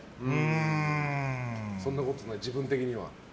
そんなことない、自分的には。